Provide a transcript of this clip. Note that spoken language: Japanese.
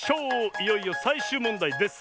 いよいよさいしゅうもんだいです！